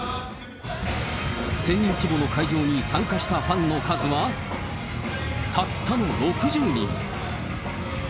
１０００人規模の会場に参加したファンの数はたったの６０人。